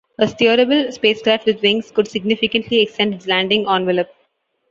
A steerable spacecraft with wings could significantly extend its landing envelope.